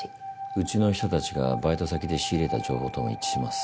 うちの秘書たちがバイト先で仕入れた情報とも一致します。